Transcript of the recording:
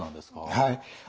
はい。